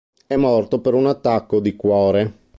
È morto per un attacco di cuore.